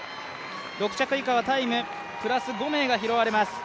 ６着以下はタイムプラス５名が拾われます。